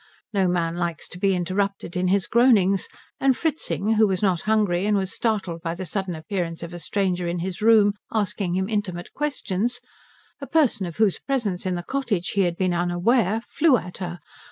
No man likes to be interrupted in his groanings; and Fritzing, who was not hungry and was startled by the sudden appearance of a stranger in his room asking him intimate questions, a person of whose presence in the cottage he had been unaware, flew at her.